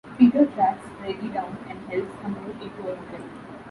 Peter tracks Reggie down and helps her move into a hotel.